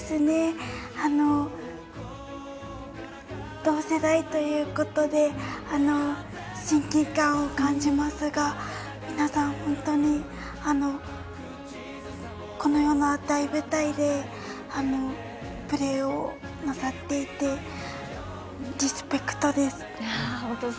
同世代ということで親近感を感じますが皆さん本当にこのような大舞台でプレーをなさっていてリスペクトです。